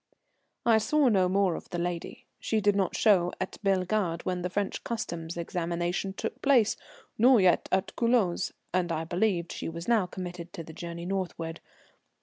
I saw no more of the lady. She did not show at Bellegarde when the French Customs' examination took place, nor yet at Culoz, and I believed she was now committed to the journey northward.